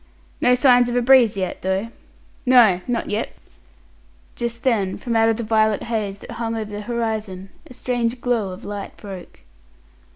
"No signs of a breeze yet, though." "No, not yet." Just then, from out of the violet haze that hung over the horizon, a strange glow of light broke.